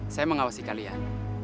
saya mengawasi kalian